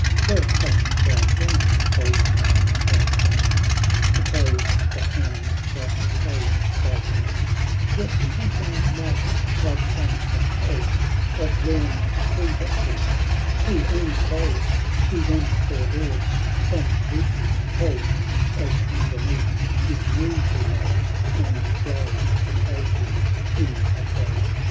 Well hast thou framed, Old Man, thy strains, To praise the hand that pays thy pains ;u Yet something might thy song have told Of Lorn's three vassals true and bold, W ho rent their Lord from Eruce's hold, As underneath his knee he lay, And died to save him in the fray.